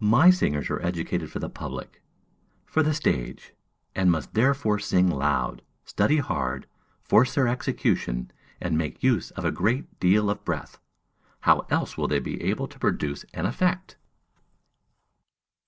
"My singers are to be educated for the public, for the stage, and must therefore sing loud, study hard, force their execution, and make use of a great deal of breath. How else will they be able to produce an effect?"